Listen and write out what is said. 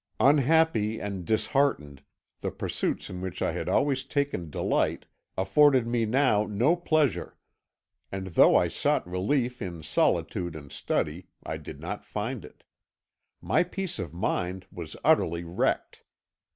Unhappy and disheartened, the pursuits in which I had always taken delight afforded me now no pleasure, and though I sought relief in solitude and study, I did not find it. My peace of mind was utterly wrecked.